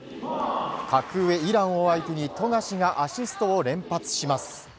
格上イランを相手に富樫がアシストを連発します。